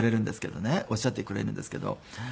おっしゃってくれるんですけど。